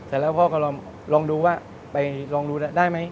เสร็จแล้วพ่อก็ลองดูว่าไปลองดูได้ไหม